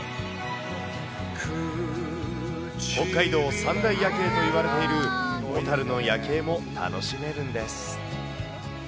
北海道三大夜景といわれている、小樽の夜景も楽しめるんです。